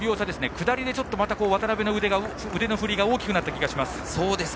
下りでまた渡邉の腕の振りが大きくなった気がします。